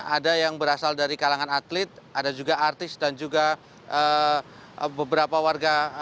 ada yang berasal dari kalangan atlet ada juga artis dan juga beberapa warga